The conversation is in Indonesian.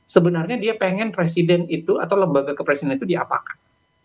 sebenarnya dia pengen presiden itu atau lembaga kepresidenan itu diapakan